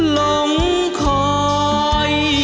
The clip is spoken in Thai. หลงคอย